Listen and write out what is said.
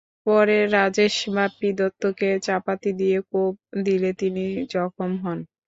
পরে রাজেশ বাপ্পী দত্তকে চাপাতি দিয়ে কোপ দিলে তিনি জখম হন।